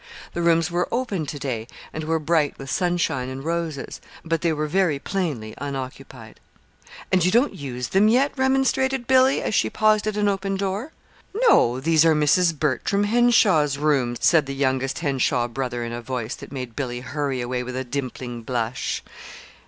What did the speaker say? The rooms were open to day, and were bright with sunshine and roses; but they were very plainly unoccupied. "And you don't use them yet?" remonstrated Billy, as she paused at an open door. "No. These are Mrs. Bertram Henshaw's rooms," said the youngest Henshaw brother in a voice that made Billy hurry away with a dimpling blush.